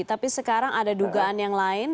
tapi sekarang ada dugaan yang lain